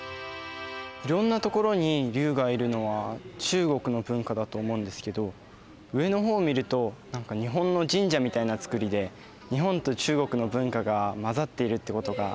いろんなところに龍がいるのは中国の文化だと思うんですけど上の方を見ると何か日本の神社みたいな造りで日本と中国の文化が混ざっているってことがよく分かります。